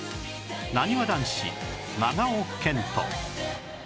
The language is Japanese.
なにわ男子長尾謙杜